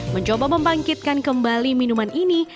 mencoba membangkitkan kembali minuman ini